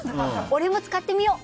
俺も使ってみよう。